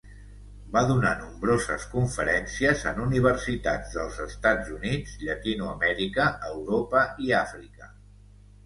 Va donar nombroses conferències en universitats dels Estats Units, Llatinoamèrica, Europa i Àfrica.